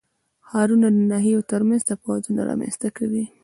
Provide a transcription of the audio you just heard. ښارونه د ناحیو ترمنځ تفاوتونه رامنځ ته کوي.